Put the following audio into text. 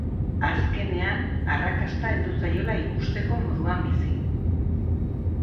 Azkenean arrakasta heldu zaiola ikusteko moduan bizi.